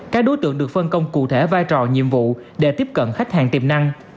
các đối tượng được phân công cụ thể vai trò nhiệm vụ để tiếp cận khách hàng tiềm năng